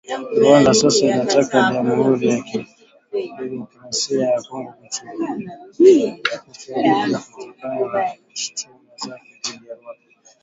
Rwanda sasa inataka Jamuhuri ya Kidemokrasia ya Kongo kuchunguzwa kutokana na shutuma zake dhidi ya Rwanda